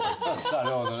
なるほどね。